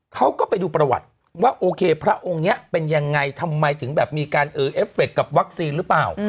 เขาก็ไปดูประวัติว่าโอเคพระองค์นี้เป็นยังไงทำไมถึงแบบมีการเออเอฟเฟคกับวัคซีนหรือเปล่า